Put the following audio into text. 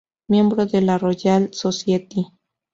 Miembro de la Royal Society